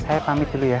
saya pamit dulu ya